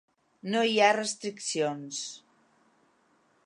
No hi ha restriccions.